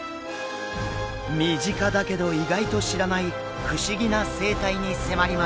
身近だけど意外と知らない不思議な生態に迫ります。